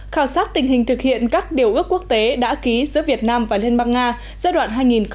khảo sát tình hình thực hiện các điều ước quốc tế đã ký giữa việt nam và liên bang nga giai đoạn hai nghìn một hai nghìn một mươi tám